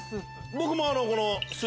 僕もこの。